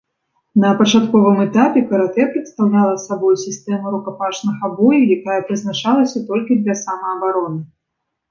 На пачатковым этапе каратэ прадстаўляла сабой сістэму рукапашнага бою, якая прызначалася толькі для самаабароны.